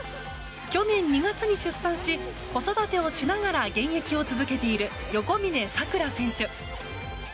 去年２月の出産し子育てをしながら現役を続けている横峯さくら選手。